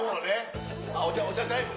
あっお茶タイム。